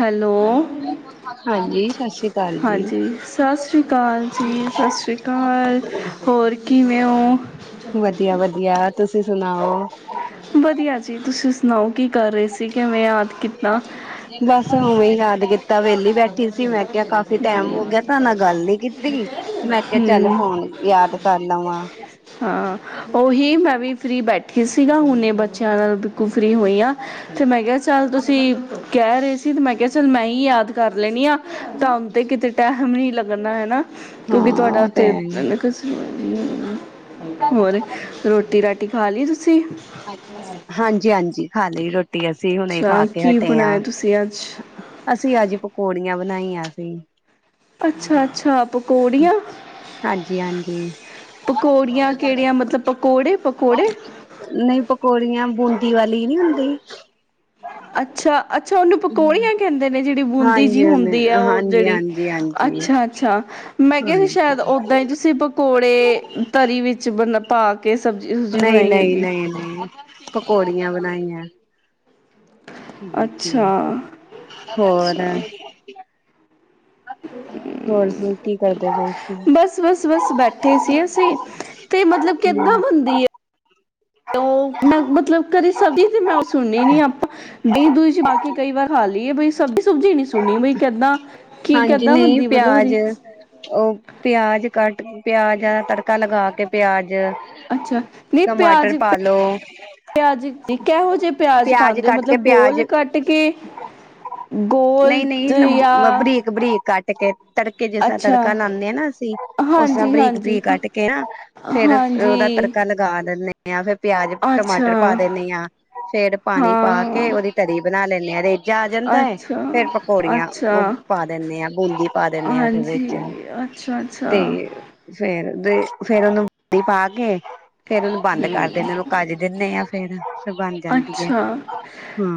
Hello ਹਾਂਜੀ ਸਤਿ ਸ੍ਰੀ ਅਕਾਲ ਜੀ ਹਾਂਜੀ ਸਤਿ ਸ਼੍ਰੀ ਅਕਾਲ ਜੀ ਸਤਿ ਸ਼੍ਰੀ ਅਕਾਲ ਹੋਰ ਕਿਵੇਂ ਹੋ ਵਧੀਆ ਵਧੀਆ ਤੁਸੀਂ ਸੁਣਾਓ ਵਧੀਆ ਜੀ ਤੁਸੀਂ ਸੁਣਾਓ ਕੀ ਕਰ ਰਹੇ ਸੀ ਕਿਵੇਂ ਯਾਦ ਕੀਤਾ? ਤਾਂ ਵਿਹਲੀ ਬੈਠੀ ਸੀ ਮੈਂ ਕਿਹਾ ਕਾਫੀ ਟੈਮ ਹਮ ਹੋ ਗਿਆ ਤੁ ਨਾਲ ਗੱਲ ਨੀ ਕੀਤੀ ਮੈਂ ਕਿਹਾ ਚੱਲ ਫੋਨ ਯਾਦ ਕਰ ਲਵਾਂ ਹਾਂ ਉਹੀ ਮੈਂ ਵੀ ਫਰੀ ਬੈਠੀ ਸੀਗਾ ਹੁਣੇ ਇਹ ਬੱਚਿਆਂ ਨਾਲ ਬਿਲਕੁਲ ਫਰੀ ਹੋਈਆਂਾਂ ਅਤੇ ਮੈਂ ਕਿਹਾ ਚੱਲ ਤੁਸੀਂ ਕਹਿ ਰਹੇ ਸੀ ਅਤੇ ਮੈਂ ਕਿਹਾ ਚੱਲ ਮੈਂ ਹੀ ਯਾਦ ਕਰ ਲੈਣੀ ਆ ਤਾਂ ਤੇ ਕਿਤੇ ਟੈ ਮਮ ਨ ਲੱਗਣਾ ਹਨਾ ਹਾਂ ਕਿਉਂਕਿ ਤੁਹਾਡਾ ਉਹ ਤੇ ਉੱਥੇ ਹੈ ਹੋਰ ਰੋਟੀ ਰਾਟੀ ਖਾ ਲਈ ਤੁਸੀਂ ਹਾਂਜੀ ਹਾਂਜੀ ਖਾ ਲਈ ਰੋਟੀ ਅਸੀਂ ਹੁਣੇ ਖਾ ਅੱਛਾ ਕੇ ਕੀ ਹਟੇ ਬਣਾਇਆ ਹ ਤੁਸੀਂ ਅੱਜ ਅਸੀਂ ਅੱਜ ਪਕੌੜੀਆਂ ਬਣਾਈਆਂ ਸੀ ਅੱਛਾ ਅੱਛਾ ਪਕੌੜੀਆਂ ਹਾਂਜੀ ਹਾਂਜੀ ਪਕੌੜੀਆਂ ਕਿਹੜੀਆਂ ਮਤਲਬ ਪਕੌੜੇ ਪਕੌੜੇ ਨਹੀਂ ਪਕੌੜੀਆਂ ਬੂੰਦੀ ਵਾਲੀ ਨਹੀਂੀ ਹੁੰਦੀ ਅੱਛਾ ਅੱਛਾ ਉਹਨੂੰ ਪਕੌੜੀਆਂ ਕਹਿੰਦੇ ਨੇ ਜਿ ਬੂੰਦੀ ਜਿ ਹਾਂਜੀ ਹਾਂਜੀ ਹੁੰਦੀ ਹੈ ਉਹ ਹਾਂਜੀ ਜਿਹੜੀ ਹਾਂਜੀ ਹਾਂਜੀ ਅੱਛਾ ਅੱਛਾ ਮੈਂ ਕਿਹਾ ਹਾਂਜੀ ਸ਼ਾਇਦ ਓਦਾਂ ਹੀ ਤੁਸੀਂ ਪਕੌੜੇ ਤਰੀ ਵਿੱਚ ਵਣਾ ਤਾਲ ਨਹੀਂ, ਨਹੀਂ, ਨਹੀਂ, ਨਹੀਂ ਪਕੌੜੀਆਂ ਬਣਾਈਆਂ। ਠੀਕ, ਅੱਛਾ ਠੀਕ ਹੋਰ ਅੱਛਾ ਹੋਰ ਸੁ ਕੀ ਕਰਦੇ ਪਏ ਸੀ ਬਸ, ਬਸ, ਬਸ ਬੈਠੇ ਸੀ ਅਸੀਂ ਤੇ ਮਤਲਬ ਕਿੱਦਾਂ ਬਨਦੀ ਏ? ਮੈਂ ਮਤਲਬ ਘਰੇ ਸਬਜ਼ ਮੈਂ ਸੁਣਣੀ ਨ ਆਪਾਂ ਦਹੀਂ ਦੂਈ ਚ ਪਾ ਕੇ ਕਈ ਵਾਰ ਖਾ ਲਈਏ ਬ ਸਬਜ਼ੀ ਸੁਬਜੀ ਨੀ ਸੂ ਸੁਣੀ ਬਈ ਕਿੱਦਾਂ ਕੀ ਹਾਂਜੀ ਕਿੱਦਾਂ ਨਹੀਂ ਬਣਦੀ ਮਤਲਬ ਉਹਦੀ ਪਿਆਜ, ਉਹ ਪਿਆਜ ਕੱਟ ਪਿਆਜਾਂ ਦਾ ਤੜਕਾ ਲਗਾ ਕੇ ਪਿਆਜ ਅੱਛਾ ਨਹੀਂ ਟਮਾਟਰ ਪਿਆਜ, ਪਾਲੋ ਪਿਆਜ ਕੈਹੋ ਜਿਹੇ ਪਿਆਜ ਪਾਉਦੇ ਹੋ ਕੱਟ ਕੇ ਮਤਲਬ ਗੋਲ ਪਿਆਜ ਕੱਟ ਕੇ ਗੋਲ ਯਾ ਕਾਟ ਕੇ ਤੜਕੇ ਜਿਸ ਤਰ੍ਹਾਂ ਤੜਕਾ ਲਾਂਦੇ ਹਾਂ ਨਾ ਅਸੀਂ ਉਸ ਤਰ੍ਹਾਂ ਹਾਂਜੀ ਬਰੀਕ ਹਾਂਜੀ ਬਰੀਕ ਕੱਟ ਕੇ ਨਾ ਫੇਰ ਉਹਦਾ ਹਾਂਜੀ ਤੜਕਾ ਲਗਾ ਦਿੰਦੇ ਯਾ ਫਿਰ ਪਿਆਜ, ਅੱਛਾ ਟਮਾਟਰ ਪਾ ਦਿੰਨੀ ਹਾਂ, ਫੇਰ ਪਾਣੀ ਪਾ ਕੇ ਹਾਂ ਉਹਦੀ ਤਰੀ ਬਣਾ ਲੈਂਦੇ ਹਾਂ ਰੇਜਾ ਆ ਜਾਂਦਾ ਹੈ ਅੱਛਾ ਫੇਰ ਪਕੌੜੀਆਂ ਔ ਅੱਛਾ ਪਾ ਦਿੰਦੇ ਹਾਂ ਬੂੰਦੀ ਪਾ ਦਿੰਦੇ ਹਾਂ ਫਿਰ ਹਾਂਜੀ ਵਿੱਚ ਅੱਛਾ ਅੱਛਾ ਤੇ ਫੇਰ ਦੇ ਫੇਰ ਉਹ ਬੂੰਦੀ ਪਾ ਕੇ ਫੇਰ ਉਹਨੂੰ ਬੰਦ ਕਰ ਦਿੰਦੇ ਉਹਨੂੰ ਕੱਜ ਦਿੰਦੇ ਆ ਫੇਰ ਫਿਰ ਬਣ ਜਾਂਦੀ ਹੈ ਅੱਛਾ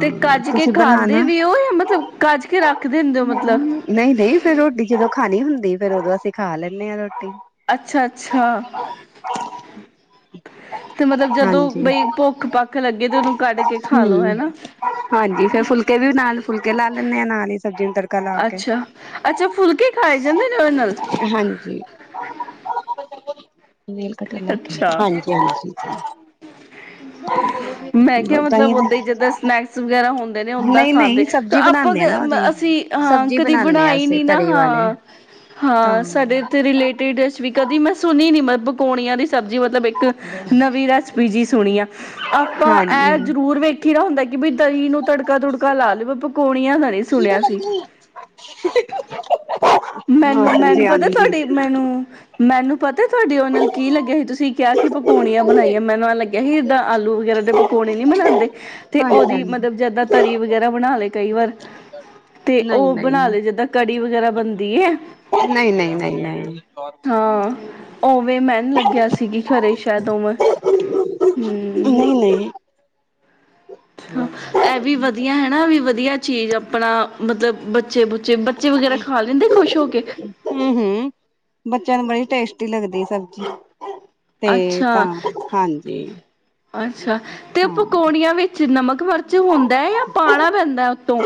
ਤੇ ਕੱਜ ਕੇ ਤੁਸੀਂ ਖਾਂਦੇ ਬਣਾਣਾ ਵੀ ਉਹ ਜਾਂ ਮਤਲਬ ਕੱਜ ਕੇ ਰੱਖਦੇ ਹੁੰਦੇ ਹੋ ਮਤਲਬ ਨਹੀਂ-ਨਹੀਂ ਫੇਰ ਰੋਟੀ ਜਦੋ ਖ ਖਾਣੀ ਹੁੰਦੀ ਫੇਰ ਉਦੋਂ ਅਸੀਂ ਖਾ ਲੈਂਣੇ ਹਾਂ ਰੋਟੀ। ਅੱਛਾ-ਅੱਛਾ। ਹਾਂਜੀ ਭੁੱਖ ਪੱਖ ਲੱਗੇ ਤੇ ਉਹਨੂੰ ਕੱਢ ਕੇ ਖਾ ਲੋ ਹੂੰ ਹਨਾ ਹਾਂਜੀ ਫੇਰ ਫੁਲਕੇ ਵੀ ਨਾਲ ਫੁਲਕੇ ਲਾ ਲੈਂਣੇ ਆਾਂ ਨਾਲ ਹੀ ਸਬਜ਼ੀਆਂ ਨੂੰ ਤਰ ਅੱਛਾ-ਅੱਛਾ ਫੁਲਕੇ ਖਾਏ ਜਾਂਦੇ ਨੇ ਉਹਦੇ ਨਾਲ। ਹਾਂਜੀ [inaudible] ਲੈ ਕੇ ਅੱਛਾ, ਹਾਂਜੀ ਹਾਂਜੀ ਮੈਂ ਕਿਹਾ ਤਾਂਹੀ ਮਤਲਬ ਓਦਾਂ ਹੀ ਜਿੱਦਾਂ ਸਨੈਕਸ ਵਗੈਰਾ ਹੁੰਦ ਕੈ ਰੇ ਓਦਾ ਨਹੀਂ ਖਾਂਦੇ ਨਹੀਂ ਸਬਜ਼ੀ ਆਪਾਂ ਬਣਾਉਂਦੇ ਆ ਨਾ ਉਹਦੀ ਅਸੀਂ ਹਾਂ ਸਬਜ਼ੀ ਕਦੀ ਬਣਾਉਂਦੇ ਹਾਂ ਬਣਾਈ ਅਸੀਂ ਨੀ ਨਾ ਤਰੀ ਵਾਲੇ ਤਾਂ ਹਾਂ-ਹਾਂ ਸਾਡੇ ਤੇ ਰਿਲੇਟਿਡ ਵੀ ਕਦੀ ਮੈਂ ਸੁਣ ਨੀ-ਨੀ ਮਰਬੁੱਕ ਪਕੌੜਿਆਂ ਆਂ ਦੀ ਸਬਜ਼ੀ ਮਤਲਬ ਇੱਕ ਨਵੀਂ ਰੈਸਪੀ ਜੀ ਸੁਣੀ ਆ। ਆਪਾਂ ਇਹ ਹਾਂਜੀ ਜ਼ਰੂਰ ਵੇਖੀ ਦਾ ਹੁੰਦਾ ਕਿ ਬਈ ਦਹੀ ਨੂੰ ਤੜਕਾ -ਤੁੜਕਾ ਲਾ ਲਵੇ ਪਕੌ ਣੀਆਂ ਦਾ ਨਹੀਂ ਸੁਣਿਆ ਸੀ। ਹਾਂਜੀ ਮੈਨੂੰ-ਮੈਨੂੰ ਪਤਾ ਹਾਂਜੀ ਤੁਹਾਡੀ ਮੈਨੂੰ ਮੈਨੂੰ ਪਤਾ ਤੁਹਾਡੇ ਉਹ ਨਾਲ ਕੀ ਲੱਗਿਆ ਸੀ ਤੁਸੀਂ ਕਿਹਾ ਕਿ ਪਕੌਣੀਆਂ ਬਣਾਈਆਂ ਮੈਨੂੰ ਨਾਲ ਲੱਗਿਆ ਸੀ ਇਏਦਾਂ ਆਲੂ ਵਗੈਰਾ ਦੇ ਪਕੌਣੇ ਨੀ ਬਣਾਉਂਦੇ ਤੇ ਹਾਂਜੀ ਉਹਓਦੀ ਹਾਂਜੀ ਮਤਲਬ ਜਿਦਾਂ ਤਰੀ ਵਗੈਰਾ ਬਣਾ ਲਏ ਕਈ ਵਾਰ ਤੇ ਨਹੀਂ ਉਹ ਬਣਾ ਨਹੀਂ ਲਏ ਜਿੱਦਾਂ ਕੜੀ ਵਗੈਰਾ ਬਣ ਨਹੀਂ ਨਹੀਂ ਨਹੀਂ ਨਹੀਂ ਉਵੇ ਮੈਂਨ ੳੲ ਲੱਗਿਆ ਸੀਗੀ ਖਰੇ ਸ਼ਹਿਦ ਉਵੇ ਹੂੰ। ਨਹੀਂ ਨਹੀਂ ਇਹ ਵੀ ਵਧੀਆ ਹਨਾ ਵੀ ਵਧੀਆ ਚੀਜ਼ ਅਪਣਾ ਮਤਲਬ ਬੱਚ- ਬੱਚੇ ਬੁੱਚੇ ਬੱਚੇ ਵਗੈਰਾ ਖਾ ਲੈਂਦੇ ਖੁਸ਼ ਹੋ ਕੇ ਰੋਟੀ ਲੱਗਦੀ ਸਬਜ਼ੀ ਤੇ ਤਾਂ ਅੱਛਾ ਹਾਂਜੀ [unintelligible] ਅੱਛਾ ਤੇ ਹਾਂ ਪਕੌੜੀਆਂ ਵਿੱਚ ਨਮਕ ਮਿਰਚ ਹੁੰਦਾ ਹੈ ਜਾਂ ਪਾਉਣਾ ਪੈਂਦਾ ਉਤੋਂ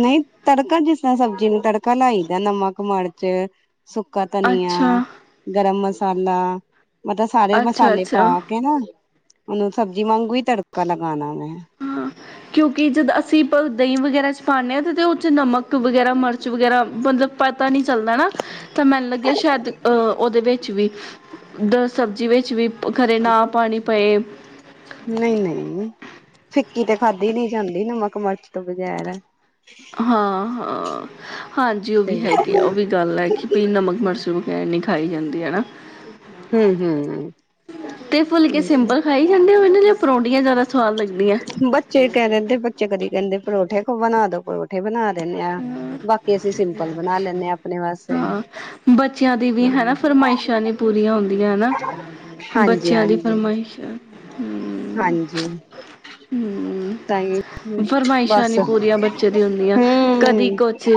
ਨਹੀਂ ਤੜਕਾ ਜਿਸ ਤਰ੍ਹਾਂ ਸਬਜ਼ੀ ਨੂੰ ਤੜਕਾ ਲਾਈ ਦਾ ਨਮਕ ਮਰਚ ਸੁੱਕਾ ਧਨੀਆ ਅੱਛਾ ਗਰਮ ਮਸਾ ਮਸਾਲਾ ਮਤਲਬ ਸਾਰੇ ਅੱਛਾ ਮਸਾਲੇ ਪਾ ਅੱਛਾ ਕੇ ਨਾ ਉਹਨੂੰ ਸਬਜ਼ੀ ਵਾਂਗੂ ਈ ਤੜਕਾ ਲਗਾਣਾ ਏ ਹਾਂ ਕਿਉਂਕਿ ਜਦ ਅਸੀਂ ਆਪਾਂ ਦਹੀਂ ਵਗੈਰਾ ਚ ਪਾਦੇ ਆ ਤੇ ਉਦੇ ਚ ਨਮਕ ਵਗੈਰਾ ਮਿਰਚ ਵਗੈਰਾ ਮਤਲਬ ਪਤਾ ਨੀ ਚੱਲਦਾ ਤਾਂ ਮੈਨ ਲੱਗਿਆ ਸ਼ਾਇਦ ਅਹ ਉਹਦੇ ਵਿੱਚ ਵੀ ਦ ਸਬਜ਼ੀ ਵਿੱਚ ਵੀ ਖਰੇ ਨਾ ਪਾਣੀ ਪਏ ਨਹੀਂ ਨਹੀਂ ਫਿੱਕੀ ਤੇ ਖਾਧੀ ਨੀ ਜਾਂਦੀ ਨਮਕ ਮਿਰਚ ਤੋਂ ਬਗੈਰ ਹਾਂ ਹਾਂ ਹਾਂਜੀ ਉਹ ਵੀ ਤੇ ਹੈਗੇ ਆ ਉਹ ਵੀ ਗੱਲ ਹੈਗੀ ਕਿ ਨਮਕ ਮਰਚ ਵਗੈਰਾ ਨੀ ਖਾ ਖਾਈ ਜਾਂਦੀ ਹੈ ਨਾ ਹੂੰ-ਹੂੰ ਤੇ ਫੁਲਕੇ ਉਹੀ ਤੇ ਸਿੰਬਲ ਖਾਈ ਜਾਂਦੇ ਹੋਨ ਤੇ ਫਰੋਡੀਆਂ ਜ਼ਿਆਦਾ ਸਵਾਦ ਲੱਗਦੀਆਂ ਬੱਚੇ ਕਹਿ ਦਿੰਦੇ ਬੱਚੇ ਕਦੀ ਕਹਿੰਦੇ ਪਰੌਠੇ ਬਣਾ ਦੋ ਪਰੌਂਠੇ ਬਣਾ ਦੋ ਲੈਂਦੇ ਹਾਂ ਆਪਣੇ ਵਾਸਤੇ ਹਾਂ ਬੱਚਿਆਂ ਦੀ ਵੀ ਹੈਨਾ ਹੂੰ ਫਰਮਾਇਸ਼ਾਂ ਨੀ ਪੂਰੀਆਂ ਹੁੰਦੀਆਂ ਹੈਨਾ ਹਾਂਜੀ ਬੱਚਿਆਂ ਦੀ ਹਾਂਜੀ ਫਰਮਾਇਸ਼ਾਂ ਹਮ ਹਾਂਜੀ ਤਾਂ ਹੀ ਫਰਮਾਇਸ਼ਾਂ ਬਸ ਨੀ ਪੂਰੀਆਂ ਬੱਚੇ ਦੀ ਹੁੰਦੀਆਂ ਕਦੀ ਹੂੰ ਕੁਛ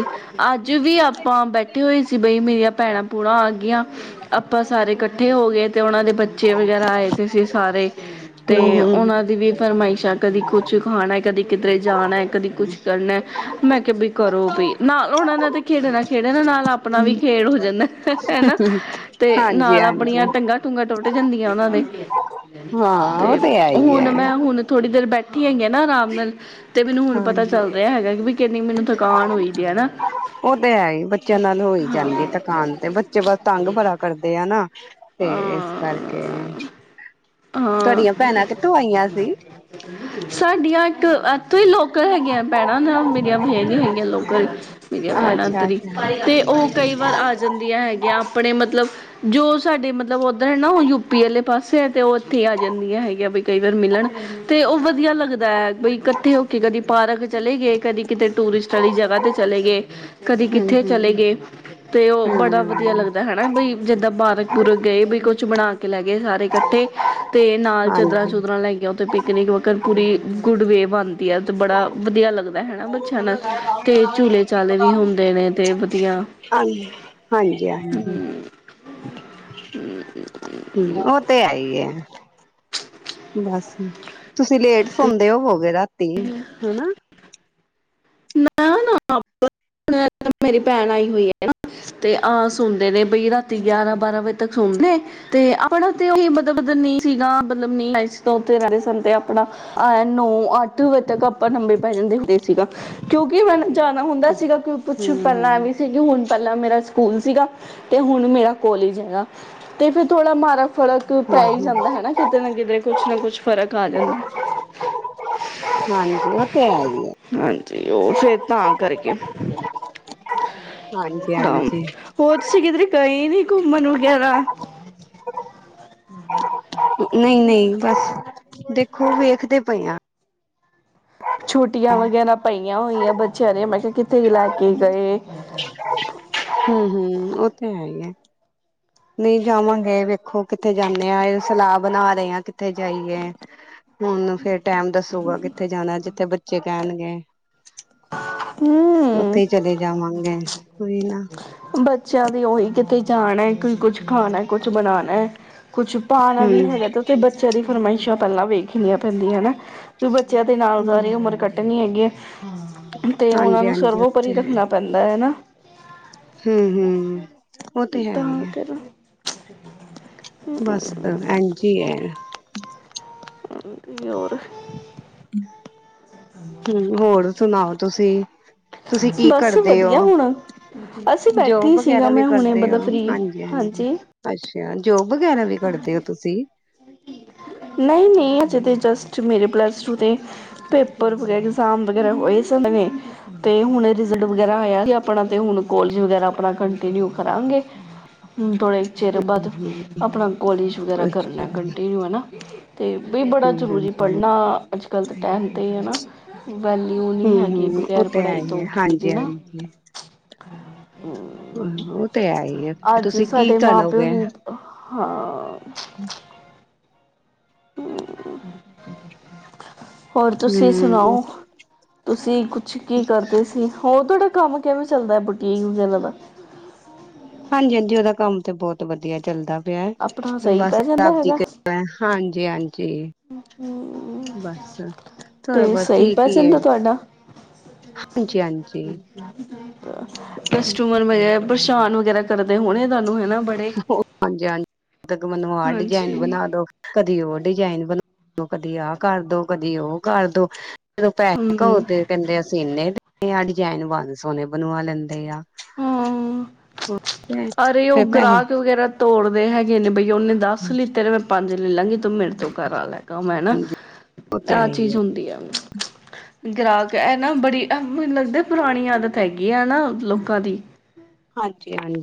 ਅੱਜ ਵੀ ਆਪਾਂ ਬੈਠੇ ਹੋਏ ਸੀ ਬਈ ਮੇਰੀਆਂ ਭੈਣਾਂ ਭੂਣਾਂ ਆਗੀਆਂ ਆਪਾਂ ਸਾਰੇ ਕੱਠ ਇਕੱਠੇ ਹੋ ਗਏ ਤੇ ਉਹਨਾਂ ਦੇ ਬੱਚੇ ਵਗੈਰਾ ਆਏ ਤੇ ਸੀ ਸਾਰੇ ਤੇ ਹੂੰ ਹੂੰ ਉਹਨਾਂ ਦੀ ਵੀ ਫਰਮਾਇਸ਼ਾਂ ਕਦੀ ਕੁ ਚ ਖਾਣਾ ਕਦੇ ਕਿਧਰੇ ਜਾਣਾ ਕਦੀ ਕੁਛ ਕਰਨਾ ਮੈਂ ਕਿਹਾ ਵੀ ਕਰੋ ਵੀ ਨਾਲ ਉਹਨਾਂ ਨੇ ਤੇ ਖੇਡਣਾ ਖੇਡਣਾ ਨਾਲ ਆਪਣਾ ਵੀ ਖੇਡ ਹੋ ਜਾਂਦਾ ਹੈਨਾ ਤੇ ਹਾਂਜੀ ਨਾਲ ਆਪਣੀਆਂ ਹਾਂਜੀ ਟੰਗਾਂ ਟੂੰਗਾਂ ਟੁੱਟ ਜਾਂਦੀਆਂ ਉਹਨਾਂ ਦੇ ਹਾਂ ਉਹ ਤੇ ਹੈ ਹੀ ਹੁਣ ਹੈ ਮੈਂ ਹੁਣ ਥੋੜੀ ਦੇਰ ਬੈਠ ੀਆਂ ਨਾ ਰਾਮ [unintelligible] ਹਾਂਜੀ ਕਿੰਨੀ ਮੈਨੂੰ ਥਕਾਨ ਹੋਈ ਦੀ ਹੈ ਨਾ ਉਹ ਤੇ ਏ ਹੀ ਬੱਚਿਆਂ ਨਾਲ ਹੋਈ ਹਾਂ ਜਾਂਦੀ ਥਕਾਨ ਤੇ ਬੱਚੇ ਬਸ ਤੰਗ ਬਰਾ ਕਰਦੇ ਆ ਨਾ ਤੇ ਇਸ ਕਰਕੇ ਹਾਂ ਹਾਂ ਤੁਹਾਡੀਆਂ ਭੈਣਾਂ ਕਿੱਥੋਂ ਆਈਆਂ ਸੀ ਸਾਡੀਆਂ ਇੱਕ ਤੇ ਲੋਕਲ ਹੈਗੀਆਂ ਭੈਣਾਂ ਨਾ ਮੇਰੀਆਂ ਬੀ ਨ ਹੈਗੀਆਂ ਲੋਕਲ ਮੇਰੀਆਂ ਅੱਛਾ ਭੈਣਾਂਧਰੀ ਅੱਛਾ ਤੇ ਉਹ ਕਈ ਵਾਰ ਆ ਜਾਂਦੀਆਂ ਹੈਗੀਆਂ ਆਪਣੇ ਮਤਲਬ ਜੋ ਸਾਡੇ ਮਤਲਬ ਉੱਧਰ ਹੈ ਨਾ ਉਹ ਯੂਪੀ ਵਾਲੇ ਪਾਸੇ ਤੇ ਉਹ ਉੱਥੇ ਹੀ ਆ ਜਾਂਦੀਆਂ ਹੈਗੀਆਂ ਵੀ ਕਈ ਵਾਰ ਮਿਲਣ ਤੇ ਉਹ ਵਧੀਆ ਲੱਗਦਾ ਹੈ ਬਈ ਇਕੱਠੇ ਹੋ ਕੇ ਕਦੀ ਪਾਰਕ ਚਲੇ ਗਏ ਕਦੀ ਕਿਤੇ ਟੂਰਿਸਟ ਵਾਲੀ ਜਗ੍ਹਾ 'ਤੇ ਚਲੇ ਗਏ ਕਦੀ ਕਿੱਥੇ ਹੂੰ-ਹੂੰ-ਹੂੰ, ਚਲੇ ਹਾਂਜੀ। ਗਏ ਤੇ ਉਹ ਬੜਾ ਵਧੀਆ ਹਾਂਜੀ, ਲੱਗਦਾ ਹੈ ਨਾ ਬਈ ਜਿੱਦਾਂ ਪਾਰਕ ਪੂਰਕ ਗਏ ਵੀ ਕੁਛ ਬਣਾ ਕੇ ਲੈ ਗਏ ਸਾਰੇ। ਤੇ ਨਾਲ ਚਾਦਰਰਾਾ ਹਾਂਜੀ-ਹਾਂਜੀ, ਚੁਦਰਰਾ ਲੈ ਗਈਆ ਉੱਥੇ ਪਿਕਨਿਕ ਮਕਰ ਪੂਰੀ ਗੁੱਡ ਵੇ ਬਣਦੀ ਹੈ। ਬੜਾ ਵਧੀਆ ਲੱਗਦਾ ਹਨਾ ਬੱਚਿਆਂ ਹੂੰ ਨਾਲ ਤੇ ਝੂਲੇ ਚਾਲੇ ਵੀ ਹੁੰਦੇ ਨੇ ਤੇ ਵਧੀਆ। ਹੂੰੰ ਹੂੰ ਬੱਸ ਤੁਸੀਂ ਲੇਟ ਤੇ ਸੋਣਦੇ ਹੋ ਹੋ ਗਏ ਤਾਂ ਹਨਾ ਨਾ ਨਾ ਮੇਰੀ ਭੈਣ ਆਈ ਹੋਈ ਹੈ ਤੇ ਆਹ ਸੁਣਦੇ ਨੇ ਬਈ ਰਾਤੀ ਗਿਆਰਾਂ ਬਾਰਾਂ ਵਜੇ ਤੇ ਆਪਣਾ ਤੇ ਉਹੀ ਮਬ ਬ ਨਹੀਂ ਸੀਗਾ ਮਤਲਬ ਨ ਇਸ ਉ ਰਹਿੰਦੇ ਸਨ ਤੇ ਆਪਣਾ ਨ [unintelligible] ਅੱਠ ਵਜੇ ਤੱਕ ਆਪਾਂ ਲੰਬੇ ਪੈ ਜਾਂਦੇ ਹੁੰਦੇ ਸੀਗਾ। ਕਿਉਂਕਿ ਮੈਨੂੰ ਜਾਣਾ ਹੁੰਦਾ ਸੀਗਾ ਕਿ ਕੁਛ ਹੂੰ-ਹੂੰ। ਪਹਿਲਾਂ ਐਵੇਂ ਸੀ ਕਿ ਹੁਣ ਪਹਿਲਾਂ ਮੇਰਾ ਸਕੂਲ ਸੀਗਾ ਤੇ ਹੁਣ ਮੇਰਾ ਕੋਲਜ ਹੈਗਾ ਤੇ ਫਿਰ ਥੋੜਾ ਮਾਰਾ ਫੜਕ ਪੈ ਹੀ ਹੂੰ-ਹੂੰ, ਜਾਂਦਾ ਹਨਾ ਕਿਤੇ ਨਾ ਕਿਤੇਰੇ ਕੁਛ ਨਾ ਕੁਛ ਫਰਕ ਆ ਜਾਂਦਾ। ਹਾਂਜੀ ਓ ਤੇ ਹੈ ਹੀ ਆ। ਤੇ ਉਹ ਫਿਰ ਤਾਂ ਕਰਕੇ ਨਾ ਹਾਂਜੀ-ਹਾਂਜੀ, ਹੋ ਤੁਸੀਂ ਕਿਧਰੇ ਕਈ ਗਏ ਨੀ ਘੁੰਮਣ ਵਗੈਰਾ ਨਈ-ਨਈ ਬਸ ਦੇਖੋ ਵੇਖਦੇ ਪਏ ਆ ਛੁੱਟੀਆਂ ਵਗੈਰਾ ਪਈ ਆ ਹੋਈਆਂ ਬਚਿਆ ਦੇ ਤੇ ਮੈਂ ਕਿਹਾ ਕਿੱਥੇ ਲੈ ਕੇ ਗਏ। ਹੂੰ-ਹੂੰ ਉਹ ਤੇ ਹੈ ਈ ਐ ਨਹੀਂ ਜਾਵਾਂਗੇ ਵੇਖੋ ਕਿੱਥੇ ਜਾਂਨੇ ਆ ਇਹ ਸਲਾਹ ਬਣਾ ਰਹੇ ਹਾਂ ਕਿੱਥੇ ਜਾਈਏ। ਹੁਣ ਫੇਰ ਟੈਮ ਦੱਸੂਗਾ ਕਿੱਥੇ ਜਾਣਾ ਜਿੱਥੇ ਬੱਚੇ ਕਹਿਣ‌। [unintelligible] ਹਮ ਉੱਥੇ ਹੀ ਚਲੇ ਜਾਵਾਂਗੇ ਉਈ ਨਾ ਜਾਣੈ, ਕੋਈ ਕੁੱਛ ਖਾਣੈ, ਕੁੱਛ ਬਣਾਣੈ। ਕੁੱਛ ਪਾਨਾ ਵੀ ਹਮ ਹੈਗਾ ਤੇ ਉੱਥੇ, ਬੱਚਿਆਂ ਦੀ ਫਰਮਾਈ [unintelligible] ਪਹਿਲਾ ਵੀ [unintelligible] ਣੀਆਂ ਪੈਂਦੀਆਂ ਨਾ, ਵੀ ਬੱਚਿਆਂ ਦੇ ਨਾਲ ਹਮ ਸਾਰੀ ਉਮਰ ਕੱਟਣੀ ਹੈ ਗੀਆ [inaudible] ਤੇ ਓਨਾਂ ਹਾਂਜੀ ਨੂੰ, ਹਾਂਜੀ ਉਹ ਸਰਵਉਪਰ ਈ ਰੱਖਨਾ ਪੈਂਦਾ ਐ ਹਨਾ। ਹੂੰ-ਹੂੰ ਉਹ ਤੇ ਹੈ ਈ ਤਾਂ ਐ, ਕਰ ਬਸ ਐਂਜ ਈ ਐ। ਅਤੇ, ਹੋਰ। ਹੂੰ, ਹੋਰ ਸੁਣਾਓ। ਤੁਸੀਂ ਤੁਸੀਂ ਕੀ ਬਸ ਕਰਦੇ ਹੋ ਵਧੀਆ ਹੁਣ, ਅਸੀਂ ਬੈਠੇ ਹੀ ਜੋਬ ਸੀਗਾ ਵਗੈਰਾ ਵੀ ਮੈਂ ਹੁਣੇ, ਕਰਦੇ ਮਤਲਬ ਹੋ ਫ੍ਰੀ, ਹਾਂਜੀ। ਅੱਛਾ ਜੋਬ ਵਗੈਰਾ ਵੀ ਕਰਦੇ ਓ, ਤੁਸੀਂ? ਨਈ-ਨਈ ਅਜੇ ਤੇ ਜਸਟ ਮੇਰੇ ਪਲੱਸ ਟੂ ਦੇ ਪੇਪਰ ਵ ਇਗਜ਼ਾਮ ਵਗੈਰਾ ਹੋਏ [unintelligible] ਤੇ ਹੁਣ ਰਿਜ਼ਲਟ ਵਗੈਰਾ ਆਇਆ ਆਪਣਾ, ਤੇ ਹੁਣ ਕੋਲਜ ਵਗੈਰਾ ਆਪਣਾ ਕੰਟੀਨਿਊ ਕਰਾਂਗੇ। ਹੂੰ ਥੋੜ੍ਹੇ ਚਿਰ ਬਾਅਦ, ਹਮ ਆਪਣਾ ਕੋਲਿਜ ਵਗੈਰਾ ਅੱਛਾ ਕਰਨਾ ਹਮ ਕੰਟੀਨਿਊ। ਹੈਨਾ। ਤੇ ਵੀ ਬੜਾ ਹਮ ਜ਼ਰੂਰੀ ਪੜ੍ਹਨਾ ਅੱਜ -ਕੱਲ੍ਹ ਤਾਂ ਟੈਮ ਤੇ ਹਨਾ ਵੈਲਿਊ ਨੀ ਹਮ ਹੈਗੀ, ਹਮ ਉਹ ਬਗੈਰ ਤੇ ਹੈ ਪੜ੍ਹਾਈ ਹੀ ਤੋਂ ਹੈ [unintelligible] ਹਾਂਜੀ ਨਾ ਹਾਂਜੀ ਕਰ ਉਹ ਤੇ ਹੈ ਹੀ ਆ, ਫਿਰ ਅੱਜ ਤੁਸੀਂ ਕੀ ਸਾਡੇ ਮਾਂ ਪਿਓ ਕਰਨੋਗੇ ਨੇ ਹਾਂ। ਹਮ ਹਮ ਹੋਰ ਤੁਸੀਂ ਹੂੰ, ਸੁਣਾਓ, ਤੁਸੀਂ ਕੁਛ ਕੀ ਕਰਦੇ ਸੀ, ਹੋਰ ਤੁਹਾਡ ਕੰਮ ਕਿਵੇਂ ਚੱਲਦਾ? ਬੁੱਟੀਆਂ ਲ ਦਾ ਹਾਂਜੀ -ਹਾਂਜੀ, ਉਹਦਾ ਕੰਮ ਤੇ ਬਹੁਤ ਵਧੀਆ ਚੱਲਦਾ। ਆਪਣਾ ਸਹੀ ਬਸ, ਪੈ ਜੀ ਜਾਂਦਾ ਹਾਂਜੀ। ਹੈਗਾ ਜ ਹਾਂਜੀ ਤੇ ਥੋੜਾ ਬਹੁਤ ਸਈ ਠੀਕ ਪੈ ਹੀ ਹੈ ਜਾਂਦਾ, ਤੁਆਡਾ? ਹਾਂਜੀ-ਹਾਂਜੀ, ਕਸਟਮਰ ਵੈ ਪਰੇਸ਼ਾਨ ਵਗੈਰਾ ਕਰਦੇ, ਹੋਣੇ ਤੁਹਾਨੂੰ ਹਨਾ ਬੜੇ ਹਾਂਜੀ -ਹਾਂਜੀ ਤੱਕ ਮੈਨੂੰ ਆਹ ਡਿਜਾਇਨ ਹਾਂਜੀ ਬਣਾ ਦੋ, ਕਦੀ ਉਹ ਡਿਜ਼ਾਇਨ ਬਨਾਦੋ, ਕਦੀ ਆਹ ਕਰਦੋ, ਕਦੀ ਉਹ ਕਰਦੋ। ਜਦੋਂ ਪੈਸੇ ਹਮ ਘਉਦੇ ਕਹਿੰਦੇ ਅਸੀਂ ਇੰਨੇ [inaudible] ਆ ਡਿਜਾਇਨ ਬੰਦ ਸੋਹਣੇ ਬਣਵਾ ਲੈਂਦੇ ਆ ਹਾਂ ਅਰੇ ਉਹ ਫੇਰ ਪੈਸੇ ਗ੍ਰਾਹਕ ਵਗੈਰਾ ਤੋੜ ਹੈਗੇ ਇਨੇ ਬ ਉਹਨੇ ਦੱਸ ਲਿੱਤੇ ਤੇ ਮੈਂ ਪੰਜ ਲੈ ਲਾਂਗੀ ਤੂੰ ਮੇਰੇ ਤੋਂ ਘਰ ਆ ਲੈਗਾ ਮੈਂਾ ਹਾਂਜੀ ਉਹ ਤੇ ਆਹ ਹੈ ਹੀ ਚੀਜ਼ ਹੈ ਹੁੰਦੀ ਆ ਗ੍ਰਾਹਕ ਇਹ ਨਾ ਬੜੀ ਮੈਨੂੰ ਲੱਗਦਾ ਪੁਰਾਣੀ ਆਦਤ ਹੈਗੀ ਆਾ ਕਦੀ ਹਾਂਜੀ ਹਾਂਜੀ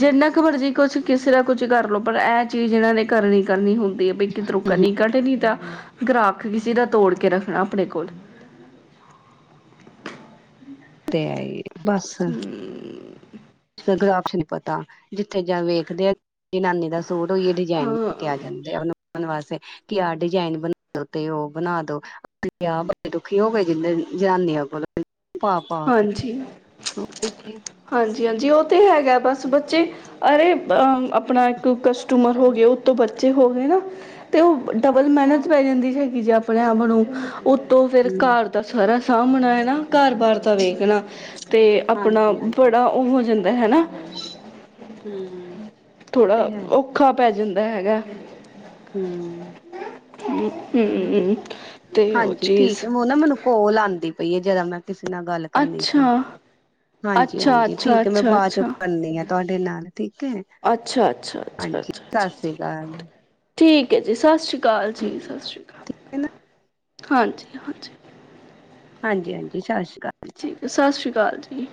ਜਿੰਨਾ ਕੁ ਮਰਜ਼ੀ ਕੁਛ ਕਿਸੇ ਦਾ ਕੁਝ ਕਰ ਲੋ ਪਰ ਇਹ ਚੀਜ਼ ਇਹਨਾਂ ਨੇ ਕਰਨੀ ਕਰਨੀ ਹੁੰਦੀ ਦੇ ਬਤੋ ਕਨੀ ਕਟਨ ਦਾ ਗ੍ਰਕ ਕਿਸੇ ਦਾ ਤੋੜ ਕੇ ਰੱਖਣਾ ਆਪਣੇ ਕੋਲ ਅ ਆਏ ਬੱਸ ਦਾ ਗਲਾਬ ਚ ਨਹੀਂ ਪਤਾ ਉੱਥੇ ਜਾਂ ਵੇਖਦੇ ਆ ਜਨਾਨੀ ਦਾ ਸੂਟ ਹੋਈਏ ਡਿਜਾਇਨ ਹਾਂ ਲੈ ਕੇ ਆ ਜਾਂਦੇ ਆ ਵਾਸਤੇ ਕਿ ਆਹ ਡਿਜਾਇਨ ਬਣਾ ਦੋ ਤੇ ਉਹ ਬਣਾ ਦੋ ਆਹ ਬੜੇ ਦੁਖੀ ਹੋ ਗਏ ਜਨਾਨੀਆਂ ਕੋਲੋਂ ਹਾਂਜੀ ਕੇ ਹਾਂਜੀ ਹਾਂਜੀ ਉਹ ਤੇ ਹੈਗਾ ਬਸ ਬੱਚੇ ਅਰੇ ਅ ਆਪਣਾ ਇੱਕ ਕਸਟਮਰ ਹੋ ਗ ਉਹਤ ਬੱਚੇ ਹੋ ਗਏ ਨਾ ਤੇ ਉਹ ਡਬਲ ਮਿਹਨਤ ਪੈ ਜਾਂਦੀ ਹੈਗੀ ਜੇ ਆਪਣੇ ਆਪ ਨੂੰ ਉਤੋਂ ਫਿਰ ਹਮ ਘਰ ਦਾ ਸਾਰਾ ਸਾਹਮਣਾ ਹੈ ਨਾ ਘਰ ਬਾਹਰ ਤਾ ਵੇਖਣਾ ਤੇ ਆਪਣਾ ਹਾਂਜੀ ਹਾਂਜੀ ਬੜਾ ਉਹ ਵਜਨ ਹੈ। ਹਨਾ ਹਮ ਉਹ ਥੋੜਾ ਤੇ ਹੈ ਔਖਾ ਪੈ ਜਾਂਦਾ ਏ ਹੈਗਾ। ਹਮ ਚਲੋ ਹੂੰ ਤੇ ਉਹ ਹਾਂਜੀ ਚੀਜ਼ ਠੀਕ ਹੈ, ਓ ਨਾ ਮੈਨੂੰ ਕੋਲ ਆਉਂਦੀ। ਪਈਏ ਜਰਾ ਮੈਂ ਕਿਸੇ ਨਾਲ ਗੱਲ ਕਰਨੀ ਸੀ। ਅੱਛਾ ਹਾਂਜੀ, ਅੱਛਾ ਹਾਂਜੀ ਅੱਛਾ ਠੀਕ ਹੈ ਮੈਂ ਅੱਛਾ ਬਾਅਦ ਚ ਅੱਛਾ ਕਰਨੀ ਆ ਤੁਹਾਡੇ ਨਾਲ ਠੀਕ ਹੈ, ਅੱਛਾ ਅੱਛਾ ਹਾਂਜੀ ਅੱਛਾ ਅੱਛਾ ਸਤਿ ਅੱਛਾ ਸ੍ਰੀ ਅਕਾਲ। ਠੀਕ ਹੈ ਜੀ, ਸਤਿ ਸ਼੍ਰੀ। ਕਾਲ ਜੀ, ਠੀਕ ਸਤਿ ਸ੍ਰੀ ਅਕਾਲ। ਹੈ ਨਾ ਹਾਂਜੀ, ਹਾਂਜੀ ਹਾਂਜੀ, ਹਾਂਜੀ ਸਤਿ ਸ਼੍ਰੀ। ਠੀਕ ਸਤਿ ਸ਼੍ਰੀ ਅਕਾਲ ਜੀ।